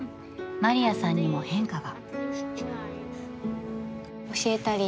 マリアさんにも変化が。